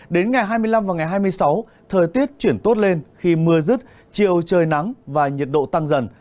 đến ngày hai mươi năm và ngày hai mươi sáu thời tiết chuyển tốt lên khi mưa rứt chiều trời nắng và nhiệt độ tăng dần